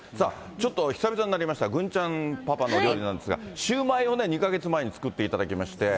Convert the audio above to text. ちょっと久々になりましたが、郡ちゃんパパの料理なんですが、シューマイを２か月前に作っていただきまして。